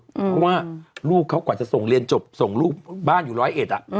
เพราะว่าลูกเขากว่าจะส่งเรียนจบส่งลูกบ้านอยู่ร้อยเอ็ด